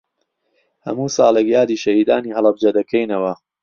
هەموو ساڵێک یادی شەهیدانی هەڵەبجە دەکەینەوە.